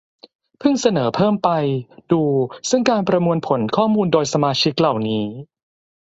เพิ่งเสนอเพิ่มไป ดู ซึ่งการประมวลผลข้อมูลโดยสมาชิกเหล่านี้